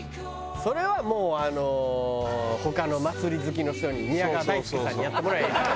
それはもうあの他の祭り好きの人に宮川大輔さんにやってもらえばいいじゃん。